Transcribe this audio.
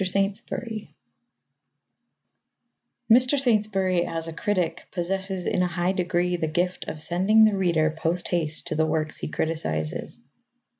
SAINTSBURY Mr. Saintsbury as a critic possesses in a high degree the gift of sending the reader post haste to the works he criticizes.